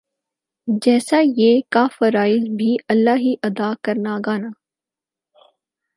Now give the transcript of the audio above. جَیسا یِہ کا فرائض بھی اللہ ہی ادا کرنا گانا